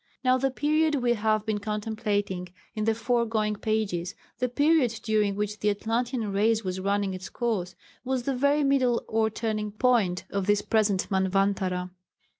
Now the period we have been contemplating in the foregoing pages the period during which the Atlantean race was running its course was the very middle or turning point of this present manvantara.